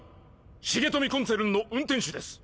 重富コンツェルンの運転手です。